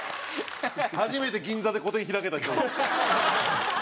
初めて銀座で個展開けた人。